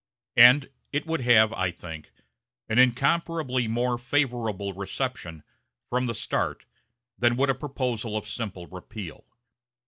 And it would have, I think, an incomparably more favorable reception, from the start, than would a proposal of simple repeal.